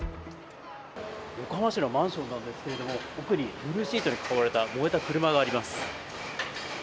横浜市のマンションなんですけれども、奥にブルーシートに囲われた燃えた車があります。